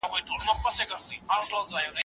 پر پاتا یې نصیب ژاړي په سرو سترګو